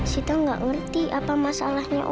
sita tidak mengerti masalahnya